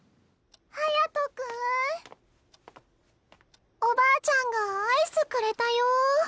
隼くんおばあちゃんがアイスくれたよ。